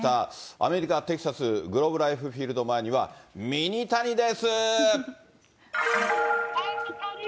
アメリカ・テキサス、グローブライフフィールドの前にはミニタニです。